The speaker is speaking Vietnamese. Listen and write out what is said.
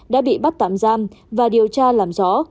đã bị bắt tạm giam và điều tra làm rõ